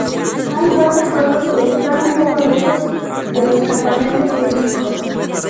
Hay cuatro pueblos que están un poco lejos de los campamentos turísticos.